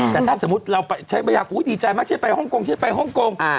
แต่ถ้าสมมุติเราไปใช้บริหารอุ๊ยดีใจมากฉันจะไปฮ่องกงฉันจะไปฮ่องกง